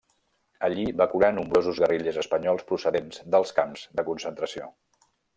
Allí va curar nombrosos guerrillers espanyols procedents dels camps de concentració.